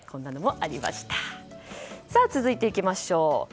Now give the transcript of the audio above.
続いていきましょう。